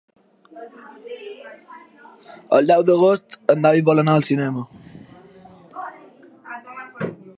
El deu d'agost en David vol anar al cinema.